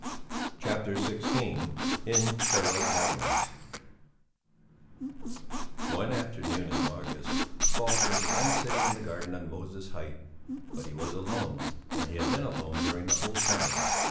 CHAPTER XVI IN THE WHITE MOUNTAINS One afternoon in August, Falk was again sitting in the garden on Moses Height; but he was alone, and he had been alone during the whole summer.